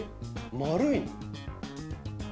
丸い。